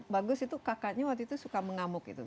bagus itu kakaknya waktu itu suka mengamuk gitu